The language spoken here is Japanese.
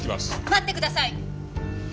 待ってください！